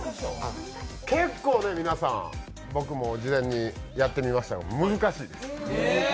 結構皆さん、僕も事前にやってみましたが難しいです。